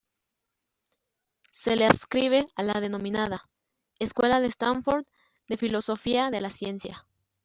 Se le adscribe a la denominada "Escuela de Stanford de Filosofía de la Ciencia.